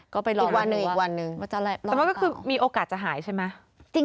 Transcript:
ก็ไปรอหนึ่งว่าจะรอเปล่าอีกวันหนึ่งแต่ว่าก็คือมีโอกาสจะหายใช่ไหม